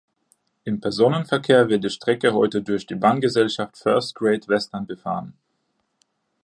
Im Personenverkehr wird die Strecke heute durch die Bahngesellschaft First Great Western befahren.